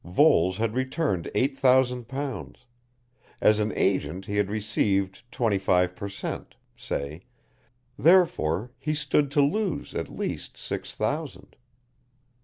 Voles had returned eight thousand pounds; as an agent he had received twenty five per cent., say, therefore, he stood to lose at least six thousand.